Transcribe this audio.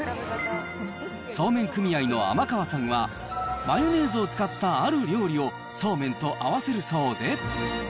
そうめん組合の天川さんは、マヨネーズを使ったある料理を、そうめんと合わせるそうで。